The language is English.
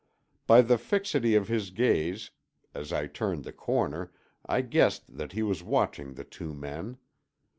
By the fixity of his gaze as I turned the corner I guessed that he was watching the two men.